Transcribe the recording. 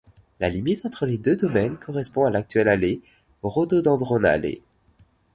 La limite entre les deux domaines correspond à l'actuelle allée Rododendronallee.